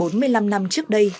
bốn mươi năm năm trước đây